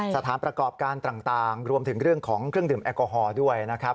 สถานประกอบการต่างรวมถึงเรื่องของเครื่องดื่มแอลกอฮอล์ด้วยนะครับ